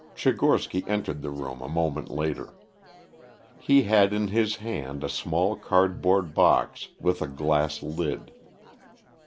Tchigorsky entered the room a moment later. He had in his hand a small cardboard box with a glass lid.